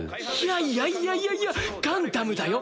いやいやいやいやいやガンダムだよ？